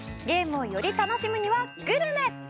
「ゲームをより楽しむにはグルメ！」